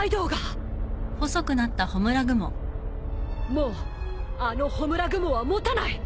もうあの焔雲は持たない。